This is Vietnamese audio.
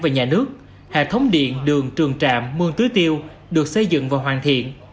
và nhà nước hệ thống điện đường trường trạm mương tưới tiêu được xây dựng và hoàn thiện